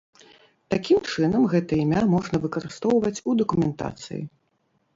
Такім чынам, гэта імя можна выкарыстоўваць у дакументацыі.